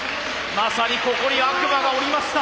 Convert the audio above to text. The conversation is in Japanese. まさにここに悪魔が降りました！